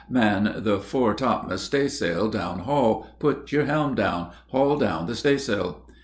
"Man the fore topmast staysail down haul; put your helm down! haul down the staysail."